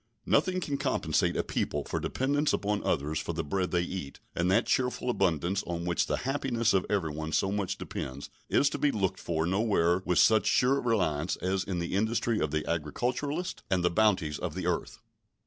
Nothing can compensate a people for a dependence upon others for the bread they eat, and that cheerful abundance on which the happiness of everyone so much depends is to be looked for nowhere with such sure reliance as in the industry of the agriculturist and the bounties of the earth.